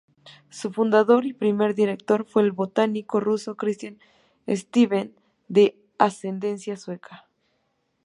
Su fundador y primer director fue el botánico ruso Christian Steven de ascendencia sueca.